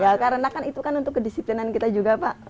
ya karena kan itu kan untuk kedisiplinan kita juga pak